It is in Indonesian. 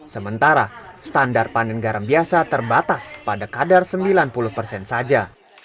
sementara standar panen garam biasa terbatas pada kadar sembilan puluh persen saja